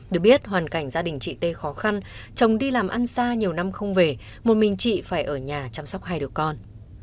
được biết hoàn cảnh gia đình chị tê khó khăn chồng đi làm ăn xa nhiều năm không về một mình chị phải ở nhà chăm sóc hai đứa con